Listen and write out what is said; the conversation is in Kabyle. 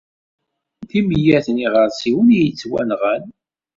D imyaten iɣersiwen i yettwanɣan.